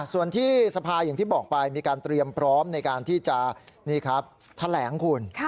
ส่วนที่สภาอย่างที่บอกไปมีการเตรียมพร้อมในการที่จะแถลงคุณ